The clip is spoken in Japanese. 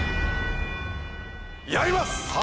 やります！